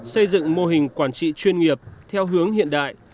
xây dựng mô hình quản trị chuyên nghiệp theo hướng hiện đại